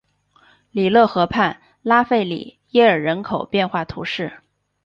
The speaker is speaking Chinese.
里勒河畔拉费里耶尔人口变化图示